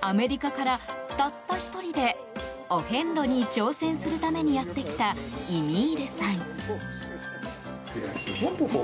アメリカから、たった１人でお遍路に挑戦するためにやってきたイミールさん。